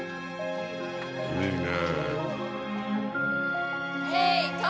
いいね。